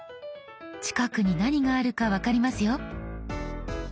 近くに何があるか分かりますよ。